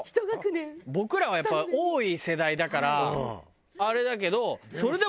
僕らはやっぱ多い世代だからあれだけどそれでも。